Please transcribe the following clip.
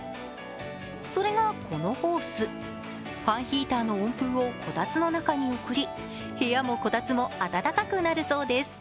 それがこのホース、ファンヒーターの温風をこたつの中に送り部屋もこたつも暖かくなるそうです。